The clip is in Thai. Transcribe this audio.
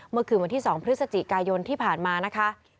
เมื่อคืนวันที่๒พฤศจิกายนที่ผ่านมานะคะ